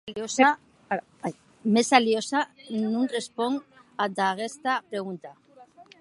Mès Aliosha non responc ad aguesta pregunta.